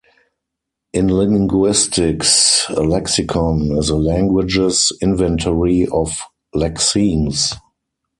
In linguistics, a lexicon is a language's inventory of lexemes.